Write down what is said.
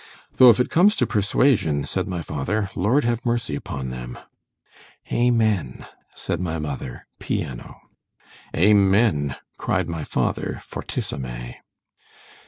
——Though if it comes to persuasion—said my father—Lord have mercy upon them. Amen: said my mother, piano. Amen: cried my father, _fortissimè.